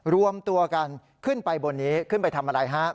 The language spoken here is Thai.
รวมตัวกันขึ้นไปบนนี้ขึ้นไปทำอะไรฮะ